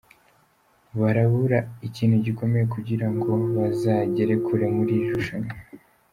Barabura ikintu gikomeye kugira ngo bazagere kure muri iri rushanwa.